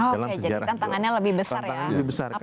jadi tantangannya lebih besar ya